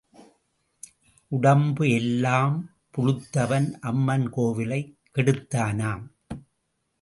உடம்பு எல்லாம் புழுத்தவன் அம்மன் கோவிலைக் கெடுத்தானாம்.